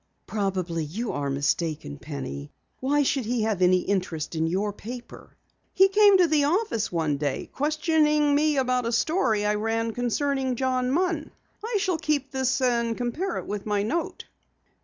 "Probably you are mistaken, Penny. Why should he have any interest in your paper?" "He came to the office one day, questioning me about a story I ran concerning John Munn. I shall keep this and compare it with the note."